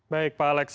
baik pak alex